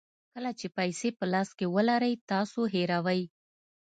کله چې پیسې په لاس کې ولرئ تاسو هیروئ.